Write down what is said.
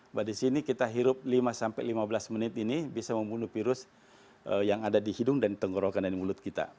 mbak di sini kita hirup lima sampai lima belas menit ini bisa membunuh virus yang ada di hidung dan tenggorokan dari mulut kita